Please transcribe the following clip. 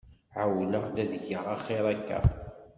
Ɛewleɣ-d ad geɣ axiṛ akka.